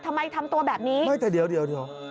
ทำไมทำตัวแบบนี้ไม่แต่เดี๋ยว